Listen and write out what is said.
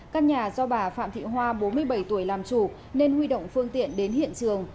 căn nhà do bà phạm thị hoa bốn mươi bảy tuổi làm chủ nên huy động phương tiện đến hiện trường